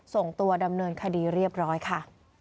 ส่งตัวดำเนินคดีเรียบร้อยค่ะ